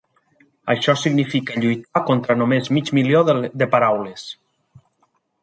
Això significa lluitar contra només mig milió de paraules!